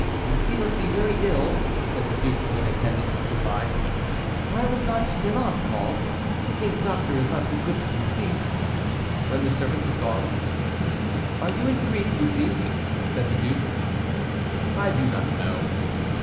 "Bussy must be very ill," said the duke to an attendant who stood by, "why was not Miron called? The king's doctor is not too good for Bussy." When the servant was gone, "Are you in grief, Bussy?" said the duke. "I do not know."